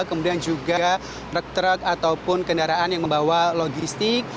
kemudian juga truk truk ataupun kendaraan yang membawa logistik